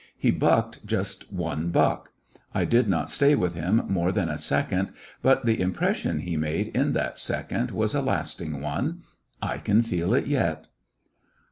He backed just one buck. I did not stay with him more than a second, but the impression he made in that second was a lasting one. I can feel it yet.